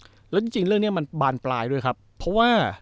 แล้วจริงจริงเรื่องนี้มันบานปลายด้วยครับเพราะว่า